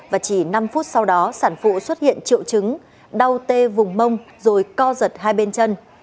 và chỉ năm phút sau đó sản phụ xuất hiện triệu chứng đau tê vùng mông rồi co giật hai bên chân